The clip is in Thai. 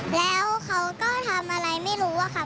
แล้วเขาก็ทำอะไรไม่รู้อะค่ะ